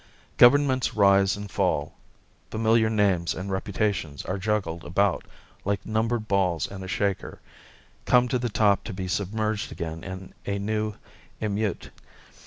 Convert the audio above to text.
Governments rise and fall, familiar names and reputations are juggled about like numbered balls in a shaker, come to the top to be submerged again in a new 'emeute'.